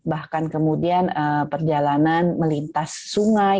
bahkan kemudian perjalanan melintas sungai